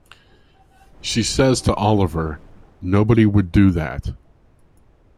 She says to Olivier, Nobody would do that.